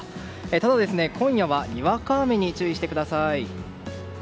ただ、今夜はにわか雨に注意してください。